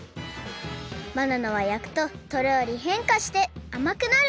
バナナはやくととろりへんかしてあまくなる！